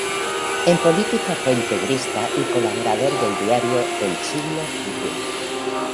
En política fue integrista y colaborador del diario "El Siglo Futuro".